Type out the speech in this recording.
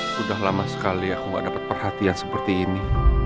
sudah lama sekali aku gak dapat perhatian seperti ini